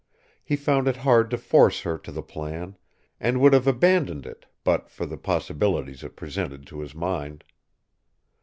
He found it hard to force her to the plan, and would have abandoned it but for the possibilities it presented to his mind.